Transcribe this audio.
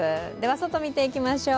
外見ていきましょう。